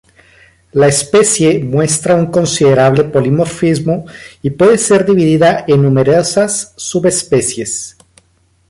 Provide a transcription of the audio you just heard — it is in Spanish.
La especie muestra un considerable polimorfismo y puede ser dividida en numerosas subespecies.